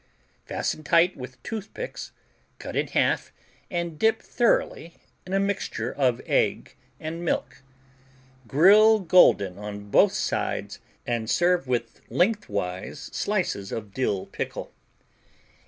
Fasten tight with toothpicks, cut in half and dip thoroughly in a mixture of egg and milk. Grill golden on both sides and serve with lengthwise slices of dill pickle.